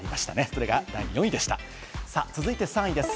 それが第４位でした、続いて３位です。